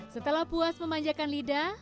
setelah puas memanjakan lidah